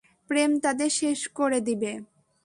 প্রেম তাদের শেষ করে দিবে।